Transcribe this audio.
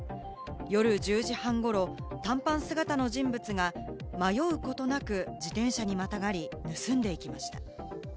夜１０時半ごろ、短パン姿の人物が迷うことなく自転車にまたがり、盗んでいきました。